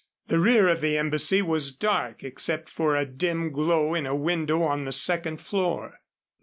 The rear of the embassy was dark, except for a dim glow in a window on the second floor.